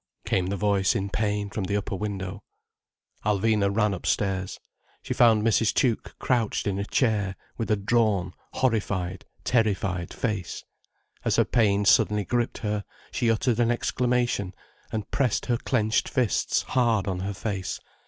came the voice in pain from the upper window. Alvina ran upstairs. She found Mrs. Tuke crouched in a chair, with a drawn, horrified, terrified face. As her pains suddenly gripped her, she uttered an exclamation, and pressed her clenched fists hard on her face.